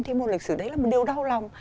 thì một lịch sử đấy là một điều đau lòng